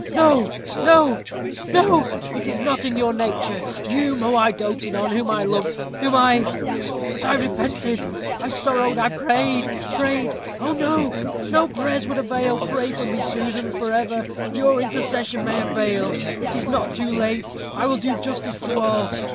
No, no, no it is not in your nature you whom I doted on, whom I loved whom I but I repented I sorrowed I prayed prayed! Oh! oh! no prayers would avail. Pray for me, Susan for ever! Your intercession may avail. It is not too late. I will do justice to all.